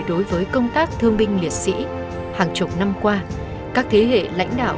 đối với công tác thương binh liệt sĩ hàng chục năm qua các thế hệ lãnh đạo